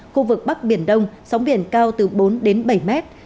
khu vực bắc biển đông sóng biển cao từ bốn đến bảy mét